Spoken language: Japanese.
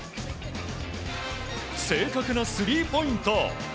正確なスリーポイント。